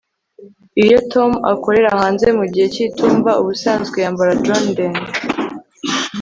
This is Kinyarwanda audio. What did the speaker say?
iyo tom akorera hanze mugihe cyitumba, ubusanzwe yambara john ndende